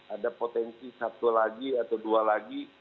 ada potensi satu lagi atau dua lagi